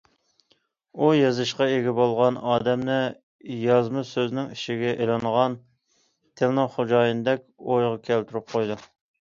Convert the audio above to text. ئۇ يېزىشقا ئىگە بولغان ئادەمنى يازما سۆزنىڭ ئىچىگە ئېلىنغان تىلنىڭ خوجايىنىدەك ئويغا كەلتۈرۈپ قويىدۇ.